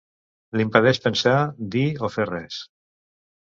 L'impedeix pensar, dir o fer res.